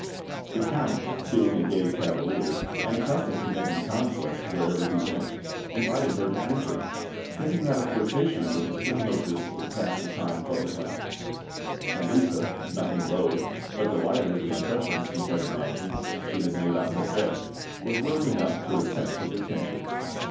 The Count, being a gay cavalier, and accustomed to making conquests wherever he went, invited her to enter, thinking that a flirtation with his pretty hostess would pass the time pleasantly; and Lisa, nothing loath, but delighted at the impression she imagined she had made on her guest, was willing enough to accept his attentions.